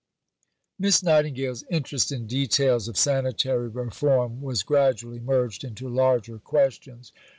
IV Miss Nightingale's interest in details of sanitary reform was gradually merged into larger questions.